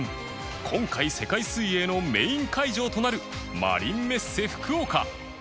今回世界水泳のメイン会場となるマリンメッセ福岡